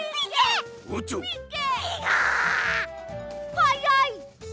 はやい！